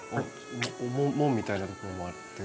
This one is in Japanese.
門みたいなところもあって。